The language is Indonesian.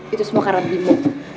itu semua karena bimo